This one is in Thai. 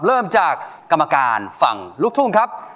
เริ่มจากกรรมการฝั่งลูกทุ่งครับ